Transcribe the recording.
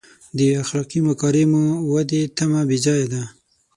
د اخلاقي مکارمو ودې تمه بې ځایه ده.